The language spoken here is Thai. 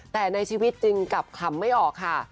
แต่ในชีวิตจึงกลับขำไม่ออกค่ะ